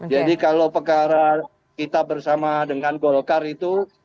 jadi kalau perkara kita bersama dengan golkar itu